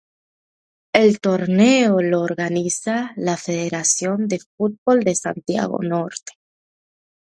El torneo lo organiza la federación de fútbol de Santiago Norte.